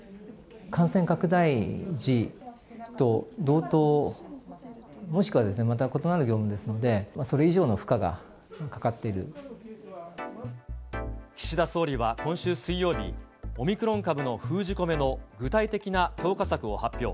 感染拡大時と同等、もしくは、また異なる業務ですので、岸田総理は今週水曜日、オミクロン株の封じ込めの具体的な強化策を発表。